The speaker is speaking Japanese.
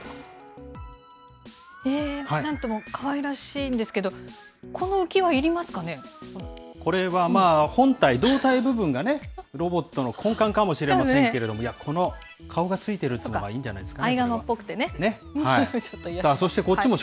なんともかわいらしいんですけど、これはまあ、本体、胴体部分がね、ロボットのこんかんかもしれませんけれども、いや、この顔がついているほうがいいんじゃないですか？